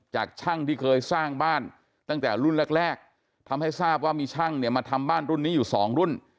จากช่างที่เคยสร้างบ้านตั้งแต่รุ่นแรกทำให้ทราบว่ามีช่างเนี่ยมาทำบ้านรุ่นนี้อยู่สองรุ่น